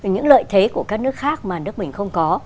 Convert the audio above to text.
những lợi thế của các nước khác mà nước mình không có